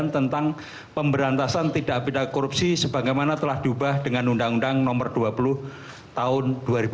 tentang pemberantasan tidak beda korupsi sebagaimana telah diubah dengan undang undang nomor dua puluh tahun dua ribu dua